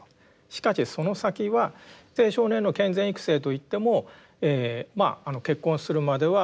しかしその先は青少年の健全育成といっても結婚するまでは婚前交渉含めてですね